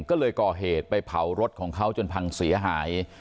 ก็เลยก่อเหตุไปเผารถของเขาจนพังเสียหาย